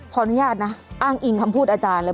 ขออนุญาตนะอ้างอิงคำพูดอาจารย์เลย